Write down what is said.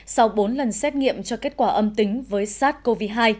sau bốn lần xét nghiệm cho kết quả âm tính với sars cov hai